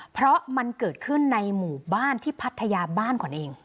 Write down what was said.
เพราะมันเกิดขึ้นในหมู่บ้านที่พัทยาบ้านขวัญเอง